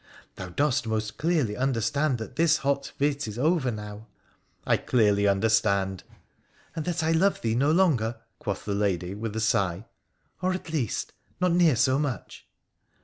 Thou dost most clearly understand that this hot fit is over now.' I I clearly understand !'' And that I love thee no longer,' quoth the lady, with a sigh, ' or, at least, not near so much